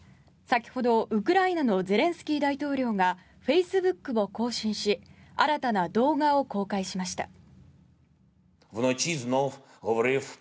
先ほど、ウクライナのゼレンスキー大統領がフェイスブックを更新し新たな動画を公開しました。